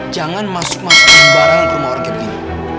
jangan masuk masukin barang ke rumah orangnya begini